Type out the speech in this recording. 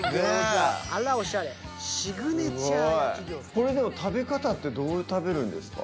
これでも食べ方ってどう食べるんですか？